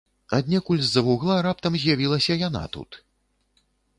Аднекуль з-за вугла раптам з'явілася яна тут.